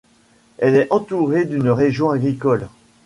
Elle est entourée d'une région agricole.